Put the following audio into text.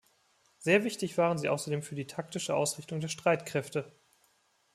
Sehr wichtig waren sie außerdem für die taktische Ausrichtung der Streitkräfte.